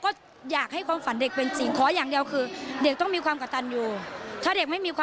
โอ๊ยเห็นแบบนี้ลืมใจอืม